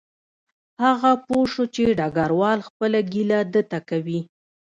هغه پوه شو چې ډګروال خپله ګیله ده ته کوي